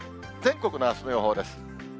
全国のあすの予報です。